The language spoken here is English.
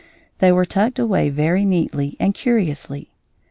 They were tucked away very neatly and curiously.